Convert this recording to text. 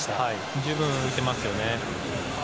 十分、浮いてますよね。